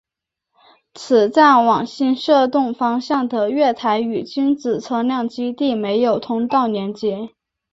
此站往新设洞方向的月台与君子车辆基地设有通道连结。